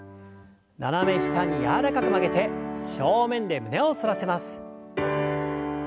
斜め下に柔らかく曲げて正面で胸を反らせます。